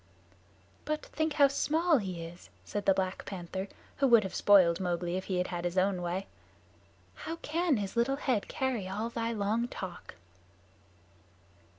"But think how small he is," said the Black Panther, who would have spoiled Mowgli if he had had his own way. "How can his little head carry all thy long talk?"